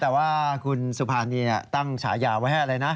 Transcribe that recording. แต่ว่าคุณสุภานีตั้งฉายาไว้ให้อะไรนะ